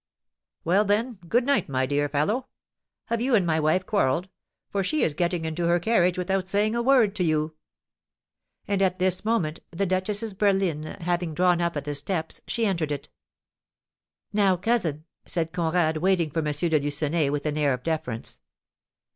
"Well, then, good night, my dear fellow. Have you and my wife quarrelled, for she is getting into her carriage without saying a word to you?" And at this moment, the duchess's berline having drawn up at the steps, she entered it. "Now, cousin," said Conrad, waiting for M. de Lucenay with an air of deference.